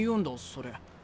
それ。